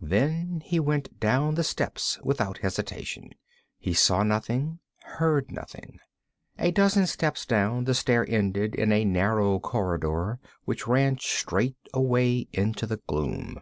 Then he went down the steps without hesitation. He saw nothing, heard nothing. A dozen steps down, the stair ended in a narrow corridor which ran straight away into gloom.